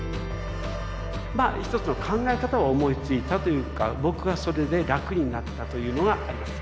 まあ一つの考え方を思いついたというか僕はそれで楽になったというのがあります。